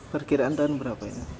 perkiraan tahun berapa ini